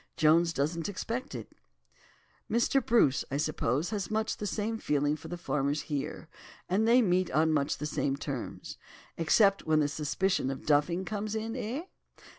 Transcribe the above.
Jones doesn't expect it." "Mr. Bruce, I suppose, has much the same feeling for the farmers here, and they meet on much the same terms. Except when the suspicion of 'duffing' comes in, eh?